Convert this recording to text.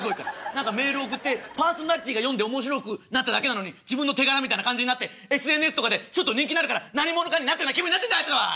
何かメール送ってパーソナリティーが読んで面白くなっただけなのに自分の手柄みたいな感じになってＳＮＳとかでちょっと人気になるから何者かになったような気分になってんだあいつは！